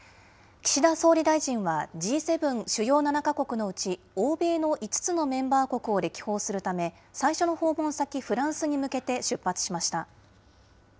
岸田総理大臣は、Ｇ７・主要７か国のうち欧米の５つのメンバー国を歴訪するため、最初の訪問先、フランスに向けて出発しました。